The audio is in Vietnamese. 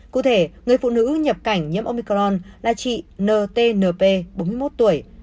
cụ thể người phụ nữ nhập cảnh nhiễm omicron là chị ntnp bốn mươi một tuổi